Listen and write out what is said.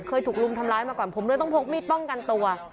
เคยถูกลุมทำร้ายมาก่อนผมเลยต้องพกมีดป้องกันตัว